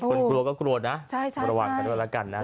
กลัวก็กลัวนะระวังกันด้วยแล้วกันนะ